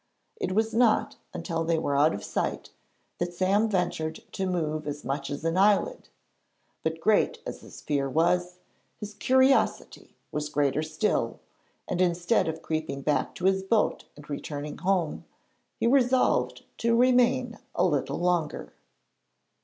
It was not until they were out of sight that Sam ventured to move as much as an eyelid; but great as his fear was, his curiosity was greater still, and instead of creeping back to his boat and returning home, he resolved to remain a little longer.